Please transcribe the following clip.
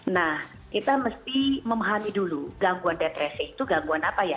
nah kita mesti memahami dulu gangguan depresi itu gangguan apa ya